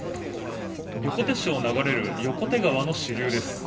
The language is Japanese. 横手市を流れる横手川の支流です。